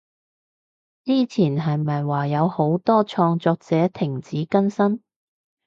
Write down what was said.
之前係咪話有好多創作者停止更新？